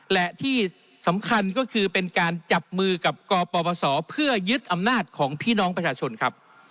และที่สำคัญก็คือเป็นการจับมือกับกปศเพื่อยึดอำนาจของพี่น้องประชาชนครับ